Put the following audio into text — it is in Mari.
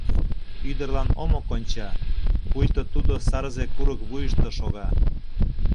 Ӱдырлан омо конча, пуйто тудо Сарзе курык вуйышто шога.